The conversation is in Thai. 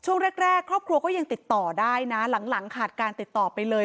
ช่วงแรกครอบครัวก็ยังติดต่อได้นะหลังขาดการติดต่อไปเลย